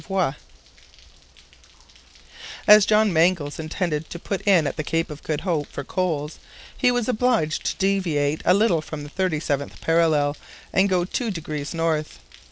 VIOT As John Mangles intended to put in at the Cape of Good Hope for coals, he was obliged to deviate a little from the 37th parallel, and go two degrees north.